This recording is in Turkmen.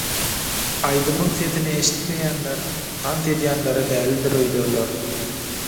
Aýdymyň sesini eştmeýänler tans edýänlere dälidir öýderler.